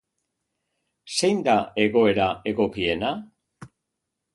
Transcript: Zein da egoera egokiena?